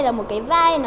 là một cái vợ diễn của con